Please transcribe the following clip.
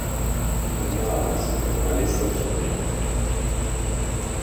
Няма ў нас, журналістаў, сумлення.